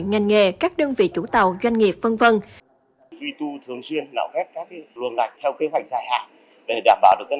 ngành nghề các đơn vị chủ tàu doanh nghiệp v v